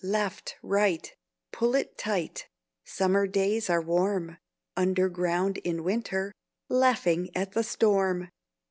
Left, right, pull it tight; Summer days are warm; Underground in winter, Laughing at the storm!"